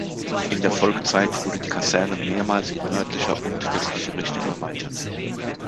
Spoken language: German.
In der Folgezeit wurde die Kaserne mehrmals in nördlicher und westlicher Richtung erweitert.